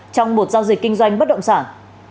trong một giao dịch kinh doanh bất động sản